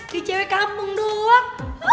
dia cewek kampung doang